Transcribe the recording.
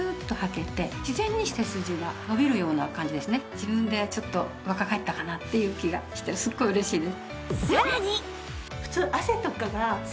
自分でちょっと若返ったかなっていう気がしてすっごい嬉しいです。